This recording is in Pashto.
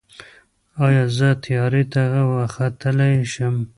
ایا زه طیارې ته وختلی شم؟